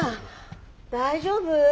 大丈夫？